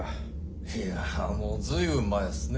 いやもう随分前っすね。